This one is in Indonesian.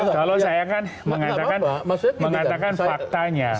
kalau saya kan mengatakan faktanya